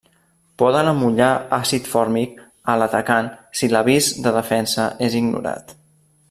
Poden amollar àcid fòrmic a l'atacant si l'avís de defensa és ignorat.